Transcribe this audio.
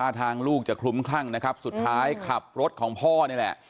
ถ้าทางลูกจะคลุมครั่งสุดท้ายขับรถของพ่อนี่แหละ